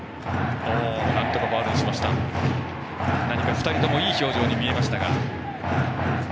２人ともいい表情に見えましたが。